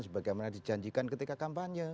sebagaimana dijanjikan ketika kampanye